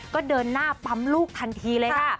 ก็เดินหน้าปั๊มลูกทันทีเลยค่ะ